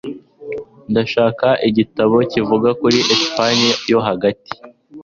Ndashaka igitabo kivuga kuri Espagne yo hagati.